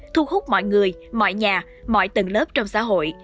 thu hút mọi người mọi nhà mọi tầng lớp trong xã hội